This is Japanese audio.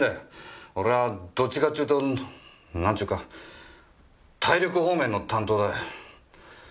俺はどっちかっちゅうとなんちゅうか体力方面の担当だよ。